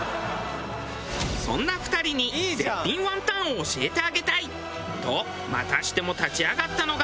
そんな２人に絶品ワンタンを教えてあげたい！とまたしても立ち上がったのが。